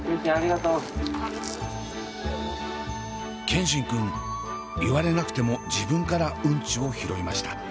健新くん言われなくても自分からうんちを拾いました。